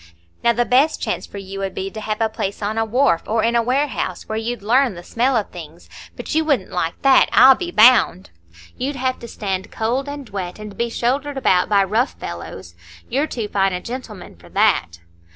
Now the best chance for you 'ud be to have a place on a wharf, or in a warehouse, where you'd learn the smell of things, but you wouldn't like that, I'll be bound; you'd have to stand cold and wet, and be shouldered about by rough fellows. You're too fine a gentleman for that."